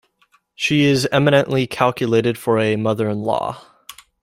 She is eminently calculated for a mother-in-law.